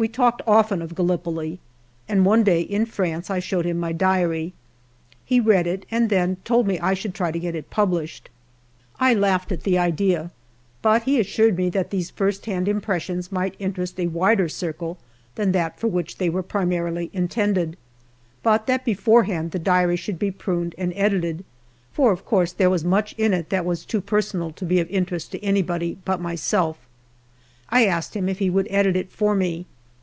We talked often of Gallipoli, and one day, in France, I showed him my diary. He read it, and then told me that I should try to get it published. I laughed PREFACE 7 at the idea, but he assured me that these first hand im pressions might interest a wider circle than that for which they were primarily intended, but that beforehand the diary should be pruned and edited, for of course there was much in it which was too personal to be of interest to anybody but myself. I asked him if he would edit it for me.